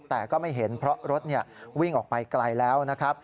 แต่ก็ไม่เห็นเพราะรถวิ่งออกไปไกลแล้วนะครับ